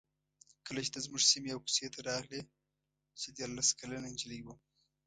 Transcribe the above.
کله چې ته زموږ سیمې او کوڅې ته راغلې زه دیارلس کلنه نجلۍ وم.